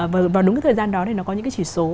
và vào đúng cái thời gian đó thì nó có những cái chỉ số